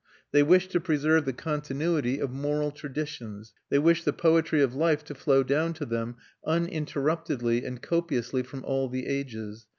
They wish to preserve the continuity of moral traditions; they wish the poetry of life to flow down to them uninterruptedly and copiously from all the ages.